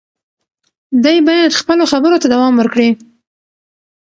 دی باید خپلو خبرو ته دوام ورکړي.